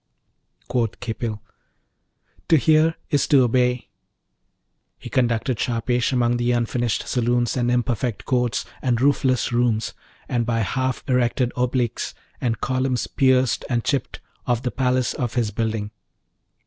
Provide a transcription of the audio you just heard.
Quoth Khipil, 'To hear is to obey.' He conducted Shahpesh among the unfinished saloons and imperfect courts and roofless rooms, and by half erected obelisks, and columns pierced and chipped, of the palace of his building.